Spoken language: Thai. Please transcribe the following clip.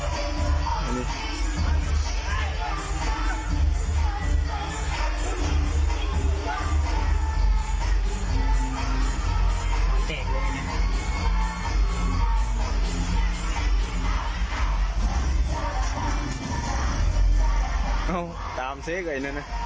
เอ่าตามเซกไอเถพทีเนี่ย